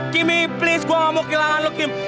kimmy please gue gak mau kehilangan lo kim